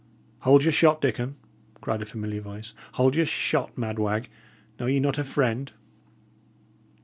"Hold your shot, Dickon!" cried a familiar voice. "Hold your shot, mad wag! Know ye not a friend?"